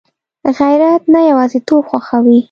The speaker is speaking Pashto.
غیرت نه یوازېتوب خوښوي